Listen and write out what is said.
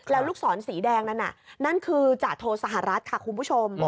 แล้วลูกศรสีแดงนั้นน่ะนั่นคือจาโทสหรัฐค่ะคุณผู้ชม